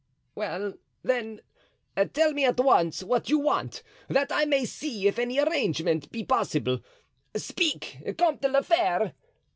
"Well, then, tell me at once what you want, that I may see if any arrangement be possible. Speak, Comte de la Fere!"